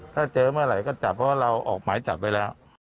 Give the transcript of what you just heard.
ถ้าเจอเมื่อไหร่ก็จับเพราะว่าเราออกหมายจับไว้แล้ว